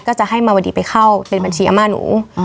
ก็จะให้มาวดีไปเข้าเป็นบัญชีอาม่าหนู